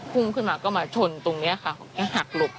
พุ่งขึ้นมาก็มาชนตรงนี้ค่ะก็หักหลบ